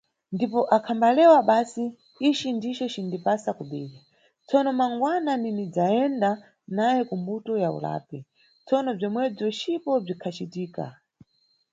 Ndipo, akhambalewa basi "ici ndico cinindipasa kobiri, tsono mangwana ndinidzayenda nawe ku mbuto ya ulapi", Tsono bzomwebzo cipo bzikhacitika.